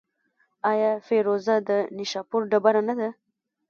آیا فیروزه د نیشاپور ډبره نه ده؟